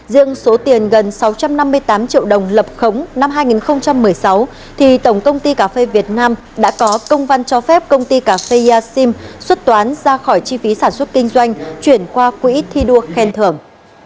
riêng số tiền gần sáu trăm năm mươi tám triệu đồng lập khống năm hai nghìn một mươi sáu thì tổng công ty cà phê việt nam đã có công văn cho phép công ty cà phê sim xuất toán ra khỏi chi phí sản xuất kinh doanh chuyển qua quỹ thi đua khen thưởng